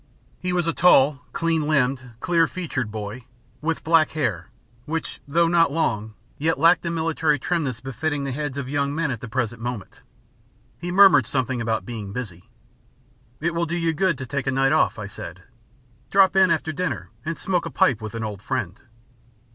He was a tall, clean limbed, clear featured boy, with black hair, which though not long, yet lacked the military trimness befitting the heads of young men at the present moment. He murmured something about being busy. "It will do you good to take a night off," I said; "drop in after dinner and smoke a pipe with an old friend."